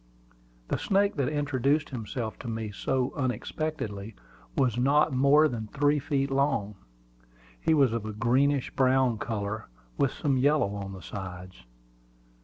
The snake that introduced himself to me so unexpectedly was not more than three feet long. He was of a greenish brown color, with some yellow on the sides.